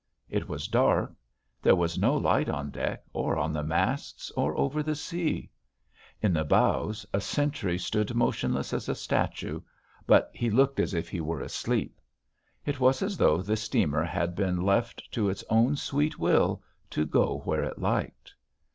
It was dark. There was no light on deck or on the masts or over the sea. In the bows a sentry stood motionless as a statue, but he looked as if he were asleep. It was as though the steamer had been left to its own sweet will, to go where it liked.